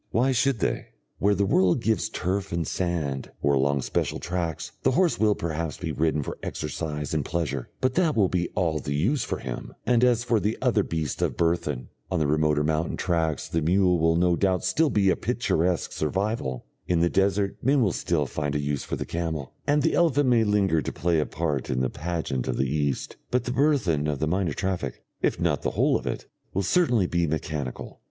Why should they? Where the world gives turf or sand, or along special tracts, the horse will perhaps be ridden for exercise and pleasure, but that will be all the use for him; and as for the other beasts of burthen, on the remoter mountain tracks the mule will no doubt still be a picturesque survival, in the desert men will still find a use for the camel, and the elephant may linger to play a part in the pageant of the East. But the burthen of the minor traffic, if not the whole of it, will certainly be mechanical.